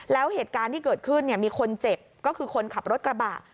แล้วเหตุการณ์ที่เกิดขึ้นมีคนเจ็บก็คือคนขับรถกระบะ